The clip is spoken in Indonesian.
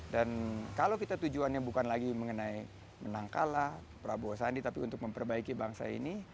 dan kalau kita tujuannya bukan lagi mengenai menangkala prabowo sandi tapi untuk memperbaiki bangsa ini